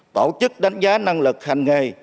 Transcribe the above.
tổ chức đánh giá năng lực hành nghề